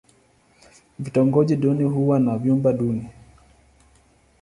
Vitongoji duni huwa na vyumba duni.